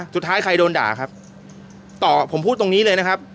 สุดท้ายใครโดนด่าครับต่อผมพูดตรงนี้เลยนะครับ